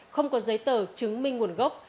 không có giấy tờ chứng minh nguồn gốc